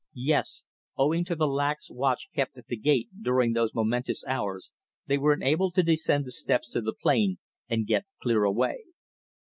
"Yes. Owing to the lax watch kept at the gate during those momentous hours, they were enabled to descend the steps to the plain and get clear away."